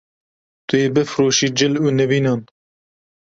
Tu yê bifroşî cil û nîvînan